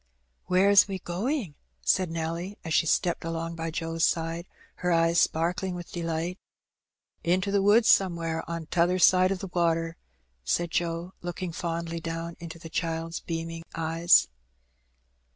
"Where is 'we going?" said Nelly^ as she stepped along by Joe's side, her eyes sparkling with delight. "Into the woods somewhere on t'other side o' the water," said Joe, looking fondly down into the child's beaming eyes.